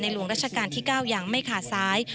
หลวงราชการที่๙ยังไม่ขาดซ้าย